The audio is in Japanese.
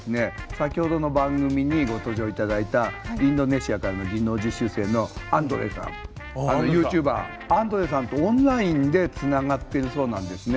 先ほどの番組にご登場頂いたインドネシアからの技能実習生のアンドレさんあのユーチューバーアンドレさんとオンラインでつながってるそうなんですね。